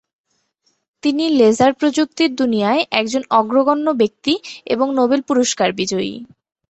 তিনি লেসার প্রযুক্তির দুনিয়ায় একজন অগ্রগণ্য ব্যক্তি এবং নোবেল পুরস্কার বিজয়ী।